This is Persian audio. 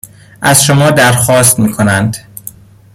از شما در خواست می کنند